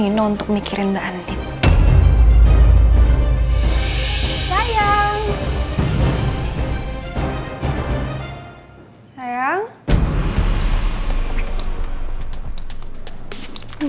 itu kan aldebaran